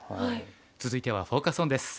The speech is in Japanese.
続いてはフォーカス・オンです。